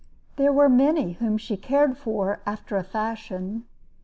There were many whom she cared for after a fashion.